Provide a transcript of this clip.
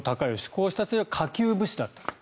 こうした人たちは下級武士だった。